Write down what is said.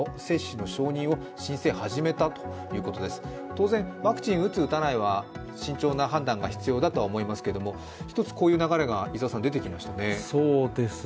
当然、ワクチンを打つ打たないは慎重な判断が必要だとは思いますけれども一つこういう流れが伊沢さん、出てきましたね。